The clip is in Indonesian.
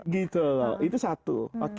gitu loh itu satu